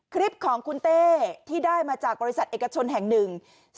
คลิปของคุณเต้ที่ได้มาจากบริษัทเอกชนแห่งหนึ่ง